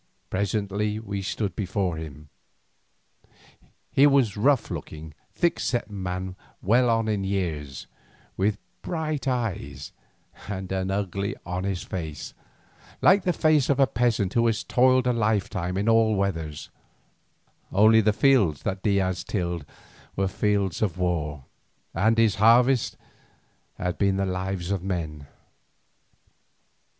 Presently we stood before him. He was a rough looking, thick set man well on in years, with bright eyes and an ugly honest face, like the face of a peasant who has toiled a lifetime in all weathers, only the fields that Diaz tilled were fields of war, and his harvest had been the lives of men.